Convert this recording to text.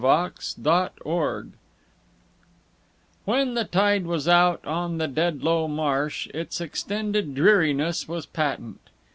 HIGH WATER MARK When the tide was out on the Dedlow Marsh, its extended dreariness was patent.